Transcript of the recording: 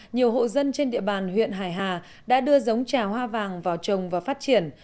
nhiều hộ dân trên địa bàn huyện hải hà đã đưa giống trà hoa vàng vào trồng và phát triển